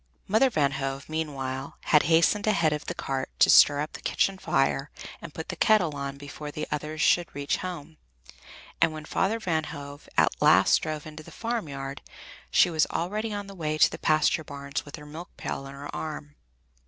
Mother Van Hove, meanwhile, had hastened ahead of the cart to stir up the kitchen fire and put the kettle on before the others should reach home, and when Father Van Hove at last drove into the farmyard, she was already on the way to the pasture bars with her milk pail on her arm.